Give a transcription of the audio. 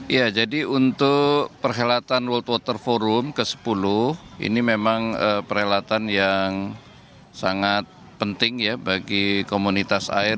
ya jadi untuk perhelatan world water forum ke sepuluh ini memang perhelatan yang sangat penting ya bagi komunitas air